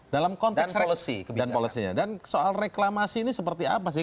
dalam konteks dan soal reklamasi ini seperti apa sih